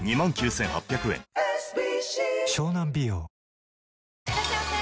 「氷結」いらっしゃいませ！